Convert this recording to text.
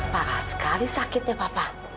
parah sekali sakitnya papa